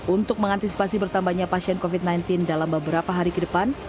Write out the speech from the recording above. untuk mengantisipasi bertambahnya pasien covid sembilan belas dalam beberapa hari ke depan